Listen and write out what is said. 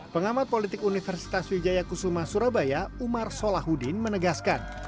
pengamat politik universitas wijaya kusuma surabaya umar solahudin menegaskan